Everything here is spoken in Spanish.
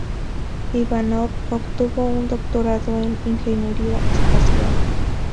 Ivanov obtuvo un doctorado en ingeniería espacial.